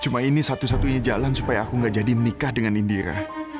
cuma ini satu satunya jalan supaya aku gak jadi menikah dengan indira